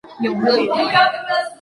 永乐元年。